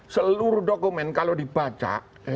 seluruh dokumen kalau dibaca